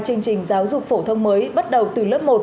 chương trình giáo dục phổ thông mới bắt đầu từ lớp một